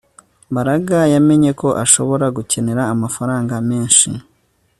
Mbaraga yamenye ko ashobora gukenera amafaranga menshi